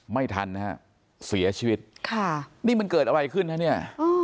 ไม่ทันนะฮะเสียชีวิตค่ะนี่มันเกิดอะไรขึ้นฮะเนี่ย